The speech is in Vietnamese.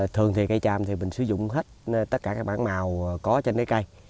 thường thì cây tràm mình sử dụng hết tất cả các bản màu có trên nếp cây